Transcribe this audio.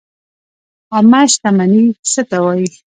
عامه شتمني څه ته وایي؟